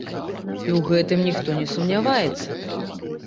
І ў гэтым ніхто не сумняваецца.